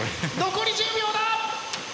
残り１０秒だ！